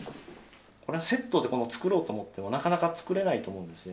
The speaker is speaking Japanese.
これはセットで作ろうと思っても、なかなか作れないと思うんですよ。